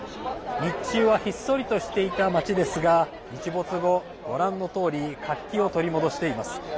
日中はひっそりとしていた街ですが日没後、ご覧のとおり活気を取り戻しています。